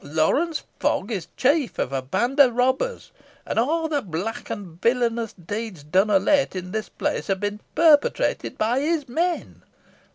Lawrence Fogg is chief o' a band o' robbers, an aw the black an villanous deeds done of late i' this place, ha' been parpetrated by his men.